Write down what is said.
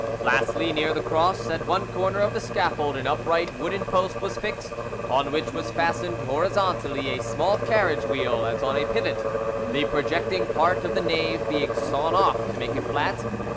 Lastly, near the cross, at one corner of the scaffold an upright wooden post was fixed, on which was fastened horizontally a small carriage wheel, as on a pivot, the projecting part of the nave being sawn off to make it flat.